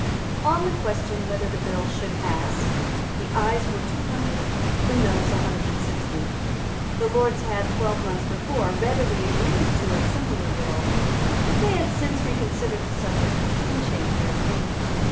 On the question whether the bill should pass, the Ayes were two hundred, the Noes a hundred and sixty. The Lords had, twelve months before, readily agreed to a similar bill; but they had since reconsidered the subject and changed their opinion.